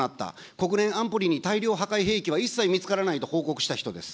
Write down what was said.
国連安保理に大量破壊兵器は一切見つからないと報告した人です。